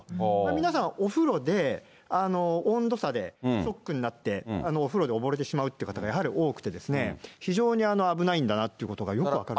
皆さん、お風呂で温度差で、ショックになって、お風呂で溺れてしまうということが、やはり多くて、非常に危ないんだなっていうことがよく分かる。